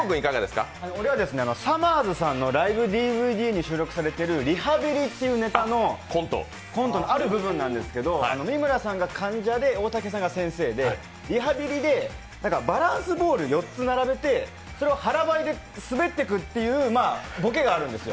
さまぁずさんのライブＤＶＤに収録されている「リハビリ」っていうネタのコントのある部分なんですけど三村さんが患者で大竹さんが先生でリハビリで、バランスボールを４つ並べてそれを腹ばいで滑っていくというボケがあるんです。